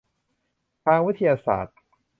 ทางวิทยาศาสตร์